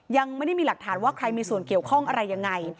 ยังไม่ได้มีหลักฐานว่าใครมีส่วนเกี่ยวข้องอะไรยังไง